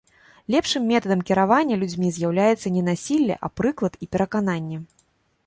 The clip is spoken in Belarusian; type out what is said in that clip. Лепшым метадам кіравання людзьмі з'яўляецца не насілле, а прыклад і перакананне.